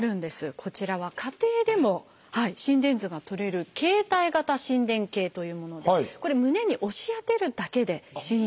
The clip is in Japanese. こちらは家庭でも心電図がとれる「携帯型心電計」というものでこれ胸に押し当てるだけで心電図がとれるという。